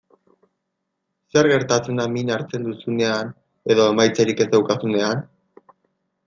Zer gertatzen da min hartzen duzunean edo emaitzarik ez daukazunean?